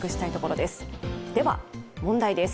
では、問題です。